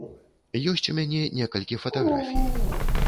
Ёсць у мяне некалькі фатаграфій.